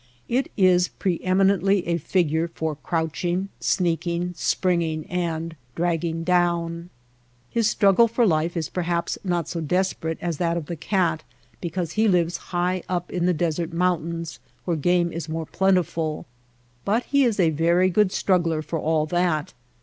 It is pre eminently a figure for crouching, sneaking, springing, and dragging down. His struggle f or lif e is perhaps not so desperate as that of the cat because he lives high up in the desert mountains where game is more plentiful ; but he is a very good struggler for all that.